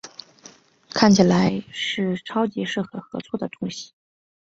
看起来是超级适合合作的东西